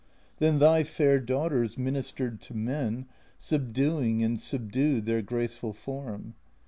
Then thy fair daughters ministered to men, Subduing and subdued their graceful form.